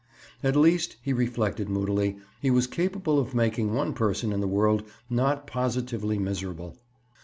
At least, he reflected moodily, he was capable of making one person in the world not positively miserable.